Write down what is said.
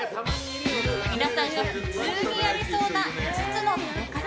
皆さんが普通にやりそうな５つの食べ方。